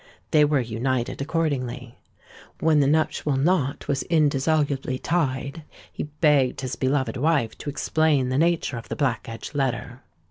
They were united accordingly. When the nuptial knot was indissolubly tied, he begged his beloved wife to explain the nature of the black edged letter.